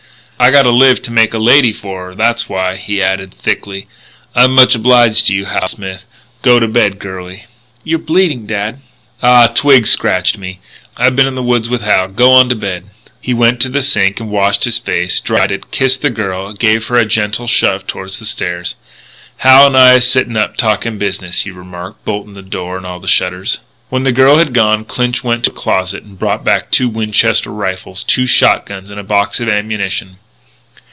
"I gotta live to make a lady of her. That's why," he added thickly, "I'm much obliged to you, Hal Smith.... Go to bed, girlie " "You're bleeding, dad?" "Aw, a twig scratched me. I been in the woods with Hal. G'wan to bed." He went to the sink and washed his face, dried it, kissed the girl, and gave her a gentle shove toward the stairs. "Hal and I is sittin' up talkin' business," he remarked, bolting the door and all the shutters. When the girl had gone, Clinch went to a closet and brought back two Winchester rifles, two shot guns, and a box of ammunition.